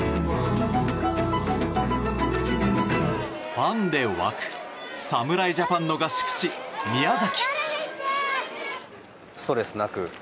ファンで沸く侍ジャパンの合宿地、宮崎。